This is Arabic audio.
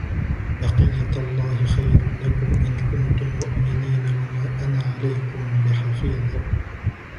بقيت الله خير لكم إن كنتم مؤمنين وما أنا عليكم بحفيظ